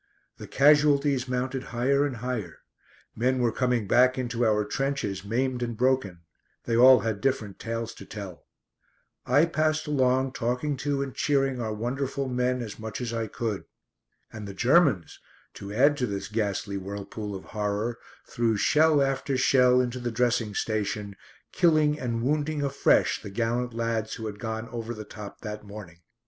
The casualties mounted higher and higher. Men were coming back into our trenches maimed and broken; they all had different tales to tell. I passed along talking to and cheering our wonderful men as much as I could. And the Germans, to add to this ghastly whirlpool of horror, threw shell after shell into the dressing station, killing and wounding afresh the gallant lads who had gone "over the top" that morning.